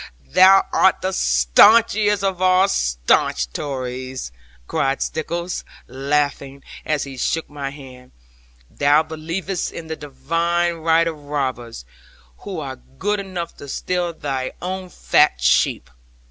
'Thou art the staunchest of all staunch Tories,' cried Stickles, laughing, as he shook my hand; 'thou believest in the divine right of robbers, who are good enough to steal thy own fat sheep.